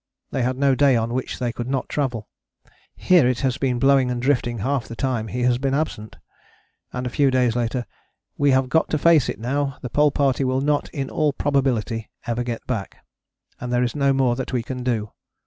They had no day on which they could not travel. Here it has been blowing and drifting half the time he has been absent," and a few days later, "We have got to face it now. The Pole Party will not in all probability ever get back. And there is no more that we can do.